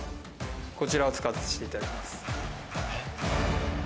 こちらを使わせていただきます。